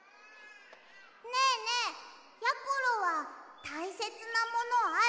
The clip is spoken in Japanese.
ねえねえやころはたいせつなものある？